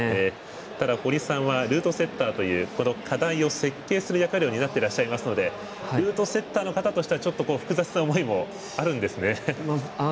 ただ、堀さんはルートセッターという課題を設計する役割を担っていらっしゃいますのでルートセッターの方としても複雑な思いもあるんですね。